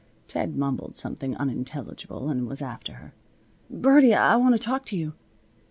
Ted mumbled something unintelligible and was after her. "Birdie! I want to talk to you."